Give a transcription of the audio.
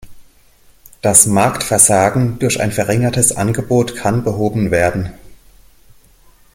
Das „Marktversagen“ durch ein verringertes Angebot kann behoben werden.